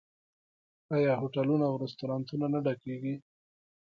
آیا هوټلونه او رستورانتونه نه ډکیږي؟